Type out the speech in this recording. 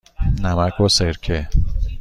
نمک و سرکه.